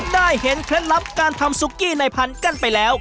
ได้เห็นเคล็ดลับการทำซุกี้ในพันธุ์กันไปแล้ว